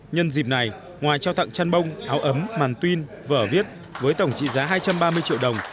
nhân dịp này ngoài trao tặng chăn bông áo ấm màn pin vở viết với tổng trị giá hai trăm ba mươi triệu đồng